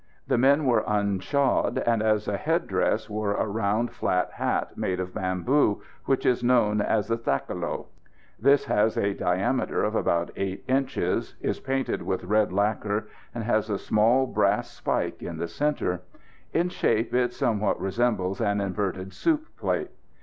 The men were unshod, and as a head dress wore a round, flat hat made of bamboo, which is known as a sakalo. This has a diameter of about 8 inches, is painted with red lacquer, and has a small brass spike in the centre. In shape it somewhat resembles an inverted soup plate.